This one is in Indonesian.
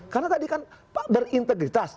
karena tadi kan berintegritas